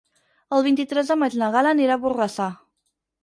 El vint-i-tres de maig na Gal·la anirà a Borrassà.